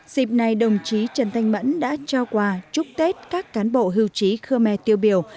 dịp này đồng chí trần thanh mẫn đã trao quà chúc tết các cán bộ hưu trí khơ me tiêu biểu